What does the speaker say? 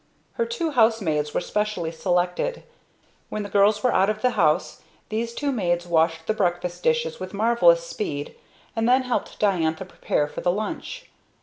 Her two housemaids were specially selected. When the girls were out of the house these two maids washed the breakfast dishes with marvelous speed, and then helped Diantha prepare for the lunch.